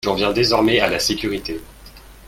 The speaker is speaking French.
J’en viens désormais à la sécurité.